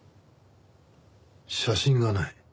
写真がない。